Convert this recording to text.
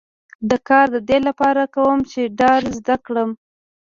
دا کار د دې لپاره کوم چې ډار زده کړم